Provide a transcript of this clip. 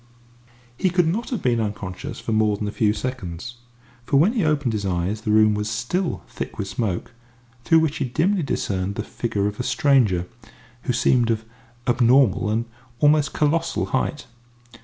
He could not have been unconscious for more than a few seconds, for when he opened his eyes the room was still thick with smoke, through which he dimly discerned the figure of a stranger, who seemed of abnormal and almost colossal height.